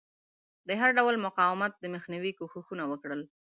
د هر ډول مقاومت د مخنیوي کوښښونه وکړل.